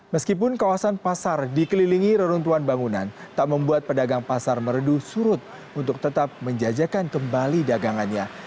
meskipun kawasan pasar dikelilingi reruntuhan bangunan tak membuat pedagang pasar meredu surut untuk tetap menjajakan kembali dagangannya